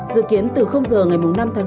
dự kiến từ h ngày năm năm hai nghìn hai mươi hai